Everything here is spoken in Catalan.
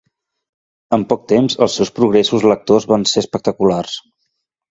En poc temps els seus progressos lectors van ser espectaculars.